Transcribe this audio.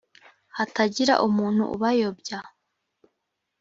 hatagira umuntu ubayobya